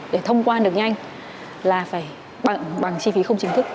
để thông quan được nhanh là phải bằng chi phí không chính thức